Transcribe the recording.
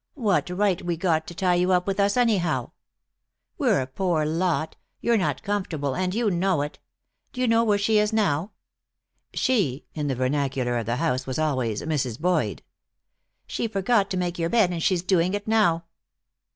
What right we got to tie you up with us, anyhow? We're a poor lot. You're not comfortable and you know it. D'you know where she is now?" "She" in the vernacular of the house, was always Mrs. Boyd. "She forgot to make your bed, and she's doing it now."